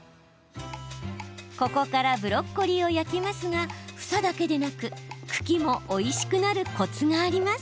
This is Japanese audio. ここからブロッコリーを焼きますが房だけでなく茎もおいしくなるコツがあります。